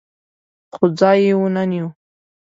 خو ځای یې ونه نیو.